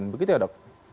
begitu ya dok